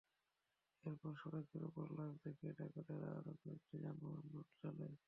এরপরও সড়কের ওপর লাশ রেখে ডাকাতেরা আরও কয়েকটি যানবাহনে লুট চালায়।